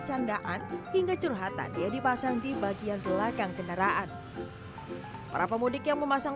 candaan hingga curhatan dia dipasang di bagian belakang kendaraan para pemudik yang memasang